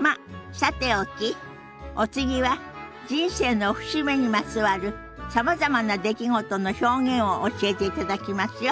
まっさておきお次は人生の節目にまつわるさまざまな出来事の表現を教えていただきますよ。